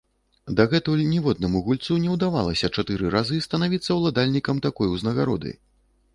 Дагэтуль ніводнаму гульцу не ўдавалася чатыры разы станавіцца ўладальнікам такой узнагароды.